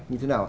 như thế nào ạ